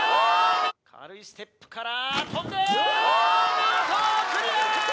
軽いステップから跳んで見事クリア！